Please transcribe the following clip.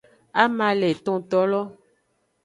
Ama le etontolo.